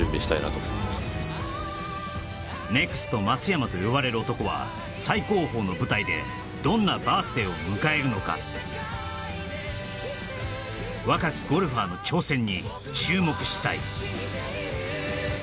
松山と呼ばれる男は最高峰の舞台でどんなバース・デイを迎えるのか若きゴルファーの挑戦に注目したい